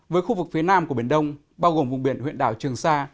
với khu vực phía nam của biển đông bao gồm vùng biển huyện đảo trường sa